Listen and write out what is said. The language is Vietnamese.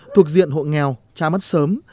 thuộc diện hộ nghèo cha mất sớm